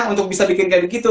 untuk bisa bikin kayak begitu